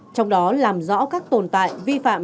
trong đó làm rõ các tồn tại vi phạm